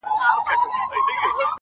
چي لمبې یې پورته کیږي له وزرو!!